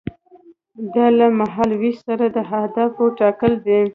دا له مهال ویش سره د اهدافو ټاکل دي.